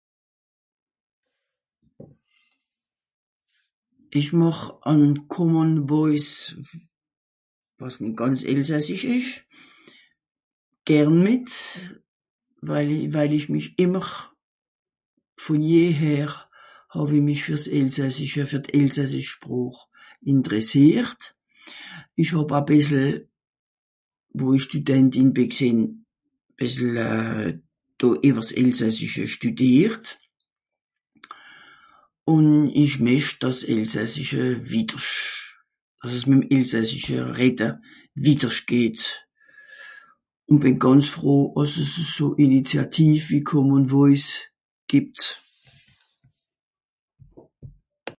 isch màch àn common voice wàs nit gànz elsassisch esch gern mìt weil weil isch mich ìmmer von jeher hàw'i mich ver elsassische ver d'elsassische spràch ìnteressiert isch hàb à bìssel won'i studentin bìn gsìn à bìssel do ìwer s'elsassische stùdiert ùn esch mìch dàss elsassische widersch àss mem elsassische rede widerscht geht ùn bìn gànz froh àss'es à so initiative wie common voice gebt